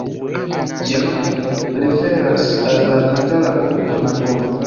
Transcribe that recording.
Ĝia nomo referas al la itala urbo Napolo.